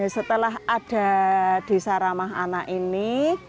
setelah ada desa ramah anak ini